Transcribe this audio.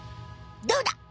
どうだ？